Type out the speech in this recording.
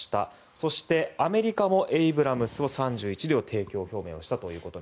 そしてアメリカもエイブラムスを３１両、提供表明をしたと。